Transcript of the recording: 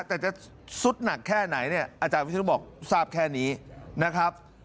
แต่จะสุดหนักแค่ไหนเนี่ยอาจารย์วิศนุบอกทราบแค่นี้นะครับ